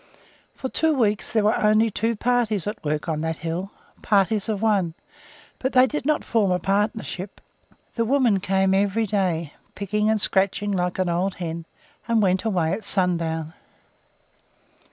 For two weeks there were only two parties at work on that hill, parties of one, but they did not form a partnership. The woman came every day, picking and scratching like an old hen, and went away at sundown.